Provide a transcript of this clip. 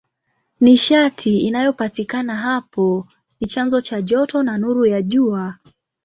Nishati inayopatikana hapo ni chanzo cha joto na nuru ya Jua.